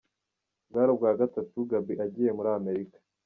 Bwari ubwa gatatu Gaby agiye muri Amerika